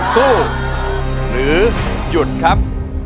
สู้หรือหยุดครับ